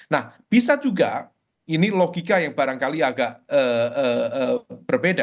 nah bisa juga ini logika yang barangkali agak berbeda